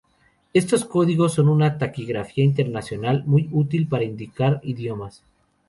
Estos códigos son una taquigrafía internacional muy útil para indicar idiomas.